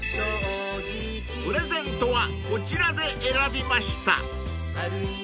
［プレゼントはこちらで選びました］